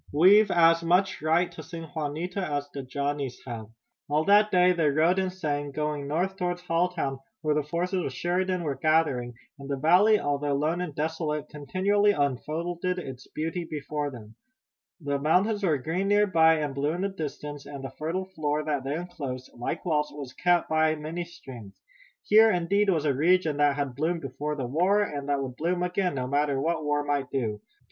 We've as much right to sing Juanita as the Johnnies have." All that day they rode and sang, going north toward Halltown, where the forces of Sheridan were gathering, and the valley, although lone and desolate, continually unfolded its beauty before them. The mountains were green near by and blue in the distance, and the fertile floor that they enclosed, like walls, was cut by many streams. Here, indeed, was a region that had bloomed before the war, and that would bloom again, no matter what war might do.